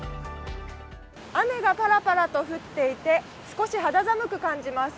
雨がパラパラと降っていて少し肌寒く感じます。